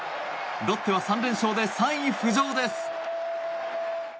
ロッテは３連勝で３位浮上です。